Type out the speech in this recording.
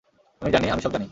আমি জানি, আমি সব জানি!